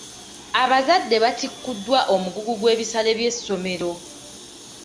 Abazadde batikkuddwa omugugu gw'ebisale by'essomero.